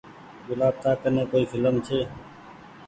گلآب تا ڪني ڪوئي ڦلم ڇي۔